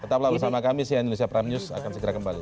tetap lagi bersama kami si indonesia prime news akan segera kembali